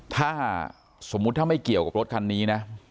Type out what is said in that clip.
ถ้าสมมุติถ้าไม่เกี่ยวกับรถคันนี้นะ